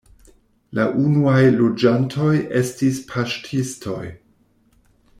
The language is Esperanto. La unuaj loĝantoj estis paŝtistoj.